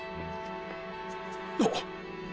あっ！